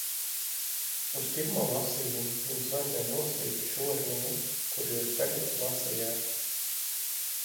Uz pirmo lasījumu jums vajadzēja nolasīt šo runu, kuru jūs tagad lasījāt!